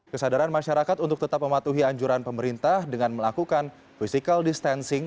kesadaran masyarakat untuk tetap mematuhi anjuran pemerintah dengan melakukan physical distancing